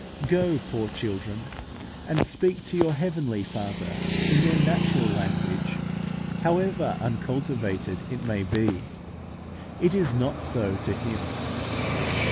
Go, poor children, and speak to your Heavenly Father in your natural language: however uncultivated it may be, it is not so to Him.